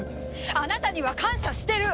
あなたには感謝してる。